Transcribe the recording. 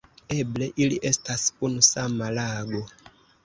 Eble ili estas unu sama lago.